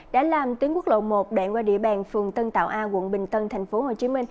đã làm tuyến quốc lộ một đoạn qua địa bàn phường tân tạo a quận bình tân tp hcm